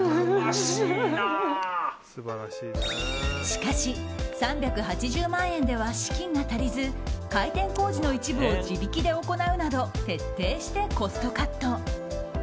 しかし３８０万円では資金が足りず開店工事の一部を自力で行うなど徹底してコストカット。